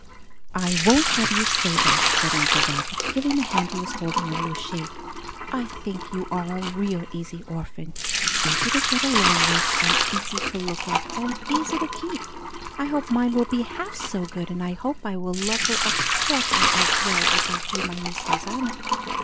"I won't have you say that!" said Uncle Robert, giving the hand he was holding a little shake. "I think you are a real easy orphan: easy to get along with and easy to look at and easy to keep. I hope mine will be half so good, and I hope I will love her a quarter as well as I do my niece Rosanna."